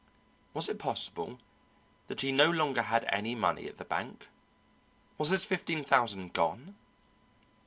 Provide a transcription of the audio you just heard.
Was it possible that he no longer had any money at the bank? Was his fifteen thousand gone?